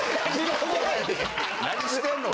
何してんの？